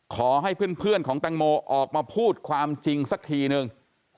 ขอให้เพื่อนของแตงโมออกมาพูดความจริงสักทีนึง